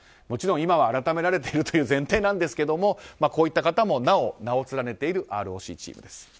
もちろん今は改められているという前提なんですがこういった方もなお名を連ねているＲＯＣチームです。